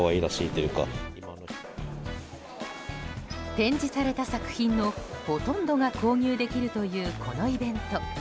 展示された作品のほとんどが購入できるというこのイベント。